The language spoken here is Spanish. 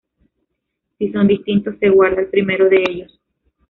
Si son distintos, se guarda el primero de ellos.